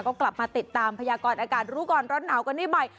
ก็กลับมาติดตามพยากรอากาศรู้ก่อนร้อนหนาวกันได้ใหม่